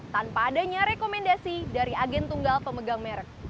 tanpa adanya rekomendasi dari agen tunggal pemegang merek